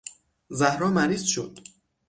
زهرا مریض شد.